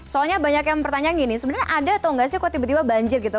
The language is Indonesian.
soalnya banyak yang pertanyaan gini sebenarnya ada atau nggak sih kok tiba tiba banjir gitu